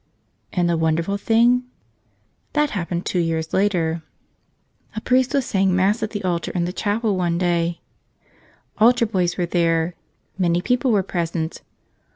And the wonderful thing? That happened two years later. A priest was saying Mass at the altar in the chapel one day. Altar boys were there; many people were present.